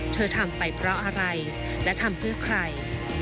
เธอทำไปเพราะอะไรและทำเพื่อใคร